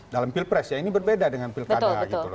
dalam pilpres ya ini berbeda dengan pilkada gitu loh